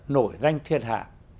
nổi danh thiên hạ